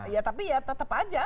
ya tapi ya tetap aja